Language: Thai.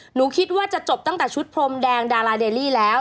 หนูคิดว่าจะจบตั้งแต่ชุดพรมแดงดาราเดลลี่แล้ว